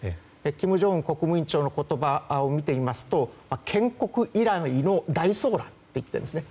金正恩国務委員長の言葉を見てみますと建国以来の大騒乱と言っているんですね。